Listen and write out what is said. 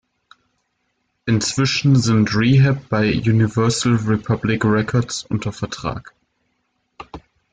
Inzwischen sind Rehab bei "Universal Republic Records" unter Vertrag.